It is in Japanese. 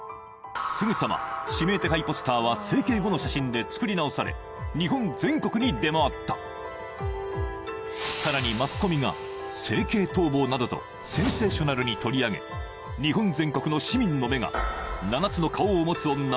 すぐさま指名手配ポスターは整形後の写真で作り直され日本全国に出回ったさらにマスコミが整形逃亡などとセンセーショナルに取り上げ日本全国の市民の目が７つの顔を持つ女